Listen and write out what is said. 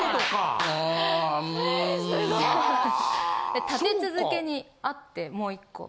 で立て続けにあってもう１個。